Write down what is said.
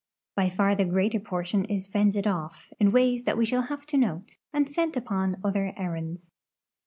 By far the greater portion is fended off, in ways that we shall have to note, and sent upon other errands.